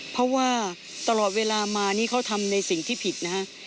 เพราะว่าตลอดเวลามานี่เขาทำในสิ่งที่ผิดนะฮะ